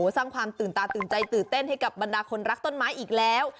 สร้างความตื่นตาตื่นใจตื่นเต้นให้กับบรรดาคนรักต้นไม้อีกแล้ว